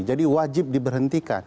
jadi wajib diberhentikan